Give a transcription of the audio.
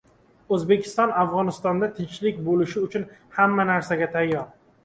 O‘zbekiston Afg‘onistonda tinchlik bo‘lishi uchun hamma narsaga tayyor